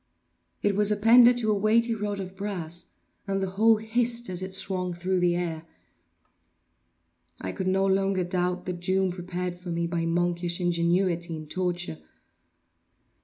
It was appended to a weighty rod of brass, and the whole hissed as it swung through the air. I could no longer doubt the doom prepared for me by monkish ingenuity in torture.